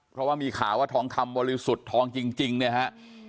เพราะว่ามีข่าวว่าทองคำบริสุทธิ์ทองจริงเนี่ยฮะ